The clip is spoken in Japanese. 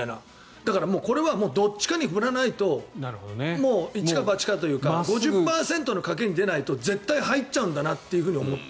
だからこれはどっちかに振らないとイチかバチかというか５０％の賭けに入らないと絶対入っちゃうんだと思った。